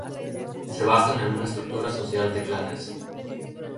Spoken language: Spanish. Se basan en una estructura social de clanes.